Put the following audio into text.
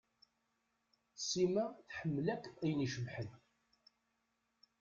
Sima tḥemmel akk ayen icebḥen.